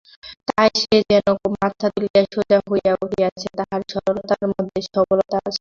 তাই সে যেন মাথা তুলিয়া সোজা হইয়া উঠিয়াছে, তাহার সরলতার মধ্যে সবলতা আছে।